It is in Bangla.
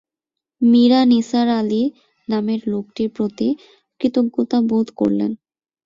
মীরা নিসার আলি নামের লোকটির প্রতি কৃতজ্ঞতা বোধ করলেন।